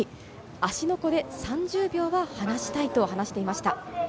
芦ノ湖で３０秒は離したいと話していました。